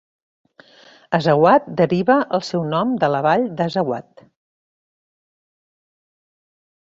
Azawad deriva el seu nom de la vall de l'Azawad.